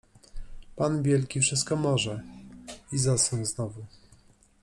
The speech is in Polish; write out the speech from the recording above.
Pan wielki wszystko może — i zasnął znowu.